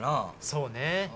そうね。